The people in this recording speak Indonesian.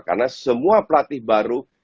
karena semua pelatih baru